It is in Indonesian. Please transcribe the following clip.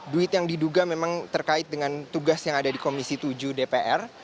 duit yang diduga memang terkait dengan tugas yang ada di komisi tujuh dpr